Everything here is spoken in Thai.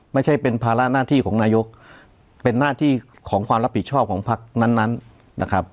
ไม่ใช่เป็นภาระหน้าที่ของนายกเป็นหน้าที่ของความรับผิดชอบของพักนั้นนะครับ